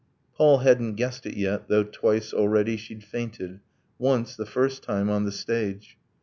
Paul hadn't guessed it yet though twice, already, She'd fainted once, the first time, on the stage.